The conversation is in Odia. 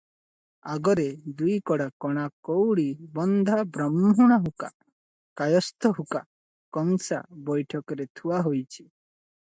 ଆଗରେ ଦୁଇକଡ଼ା କଣା କଉଡ଼ି ବନ୍ଧା ବ୍ରାହ୍ମୁଣ ହୁକା, କାୟସ୍ଥ ହୁକା କଂସା ବଇଠକରେ ଥୁଆ ହୋଇଛି ।